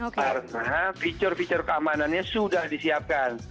karena feature feature keamanannya sudah disiapkan